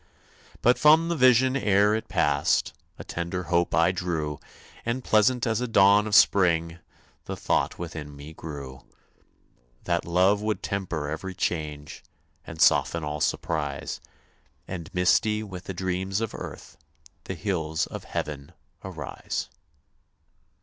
But from the vision ere it passed A tender hope I drew, And, pleasant as a dawn of spring, The thought within me grew, That love would temper every change, And soften all surprise, And, misty with the dreams of earth, The hills of Heaven arise.